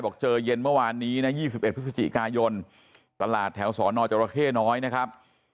เจอเย็นเมื่อวานนี้นะ๒๑พฤศจิกายนตลาดแถวสนจรเข้น้อยนะครับ